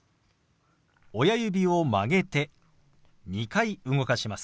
親指を曲げて２回動かします。